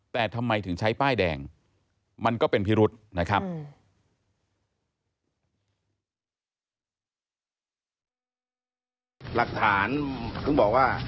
แต่ทำไมถึงใช้ป้ายแดงมันก็เป็นพิรุษนะครับ